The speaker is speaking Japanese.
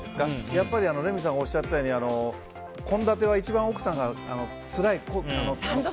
やっぱりレミさんがおっしゃったように献立は奥さんが一番つらい。